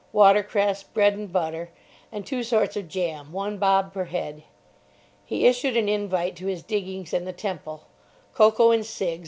Watercress, bread and butter, and two sorts of jam—one bob per head. He issued an invite to his diggings in the Temple. Cocoa and cigs.